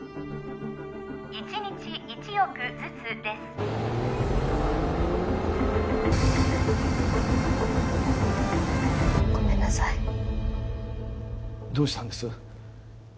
１日１億ずつですごめんなさいどうしたんです？